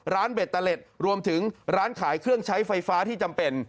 เบตเตอร์เล็ตรวมถึงร้านขายเครื่องใช้ไฟฟ้าที่จำเป็น